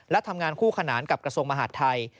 และทำงานคู่ขนานกับกระทรวงมหาดไทย